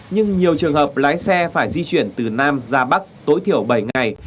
nhưng nhiều trường hợp lái xe phải di chuyển từ nam ra bắc tối thiểu bảy ngày